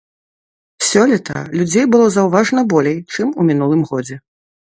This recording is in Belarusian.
Сёлета людзей было заўважна болей, чым у мінулым годзе.